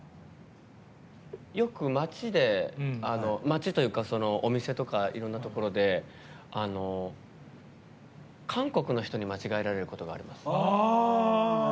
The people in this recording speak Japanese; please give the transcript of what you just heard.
よく街というかお店とかいろんなところで韓国の人に間違えられることがあります。